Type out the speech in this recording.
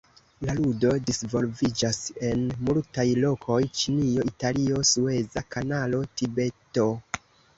La ludo disvolviĝas en multaj lokoj: Ĉinio, Italio, sueza kanalo, Tibeto.